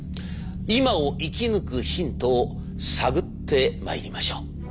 今を生き抜くヒントを探ってまいりましょう。